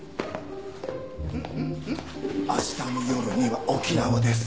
「明日の夜には沖縄です」